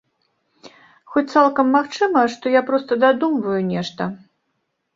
Хоць цалкам магчыма, што я проста дадумваю нешта.